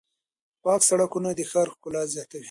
پاک سړکونه د ښار ښکلا زیاتوي.